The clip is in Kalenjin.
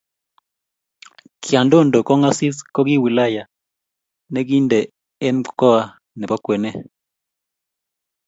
kyandondo kongasis koki wilaya nekindee en mkoa nepo kwenee